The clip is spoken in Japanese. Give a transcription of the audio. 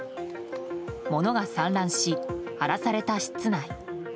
物が散乱し、荒らされた室内。